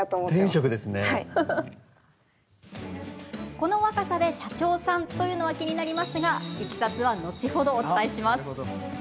この若さで社長さんというのは気になりますがいきさつは後ほどお伝えします。